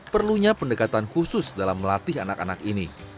perlunya pendekatan khusus dalam melatih anak anak ini